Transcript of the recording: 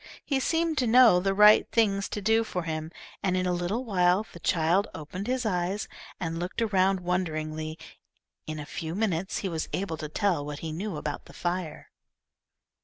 He seemed to know the right things to do for him, and in a little while the child opened his eyes and looked around wonderingly. In a few minutes he was able to tell what he knew about the fire.